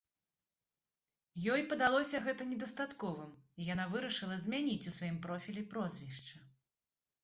Ёй падалося гэта недастатковым, і яна вырашыла змяніць у сваім профілі прозвішча.